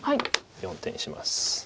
４手にします。